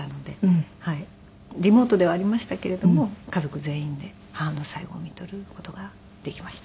リモートではありましたけれども家族全員で母の最期をみとる事ができました。